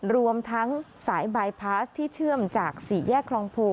รวมทั้งสายบายพาสที่เชื่อมจากสี่แยกคลองโพ